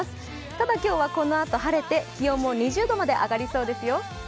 ただ、今日はこのあと晴れて、気温も２０度まで上がりそうですよ。